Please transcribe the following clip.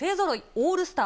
オールスター